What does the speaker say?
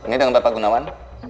ini dengan bapak gunawan